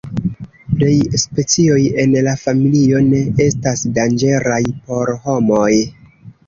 Plej specioj en la familio ne estas danĝeraj por homoj.